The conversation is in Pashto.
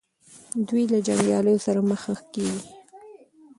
دوی له جنګیالیو سره مخ کیږي.